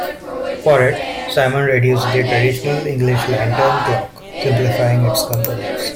For it, Simon reduced the traditional English Lantern clock, simplifying its components.